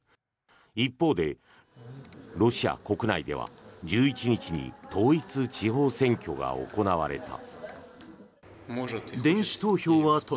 一方で、ロシア国内では１１日に統一地方選挙が行われた。